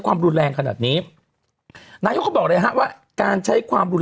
ความรุนแรงขนาดนี้นายกเขาบอกเลยฮะว่าการใช้ความรุนแรง